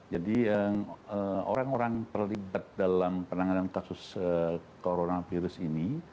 jadi orang orang terlibat dalam penanganan kasus coronavirus ini